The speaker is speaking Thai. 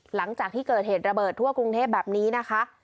หลังจากที่เกิดเหตุระเบิดทั่วกรุงเทพแบบนี้นะคะ